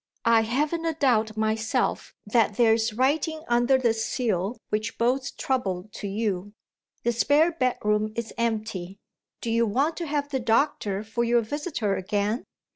I haven't a doubt myself that there's writing under this seal which bodes trouble to you. The spare bedroom is empty. Do you want to have the doctor for your visitor again?